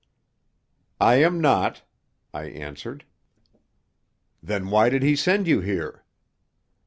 "I am not," I answered. "Then why did he send you here?"